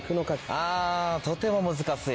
あとても難しい。